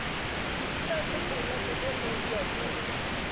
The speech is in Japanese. なんでこんなことになっちゃったんだろう。